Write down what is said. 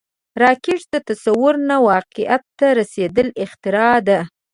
راکټ د تصور نه واقعیت ته رسیدلی اختراع ده